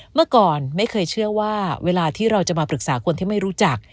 เมื่อก่อนไม่เคยเชื่อว่าเวลาที่เราจะมาปรึกษาคนที่ไม่รู้จัก